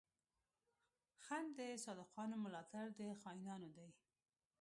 خنډ د صادقانو، ملا تړ د خاينانو دی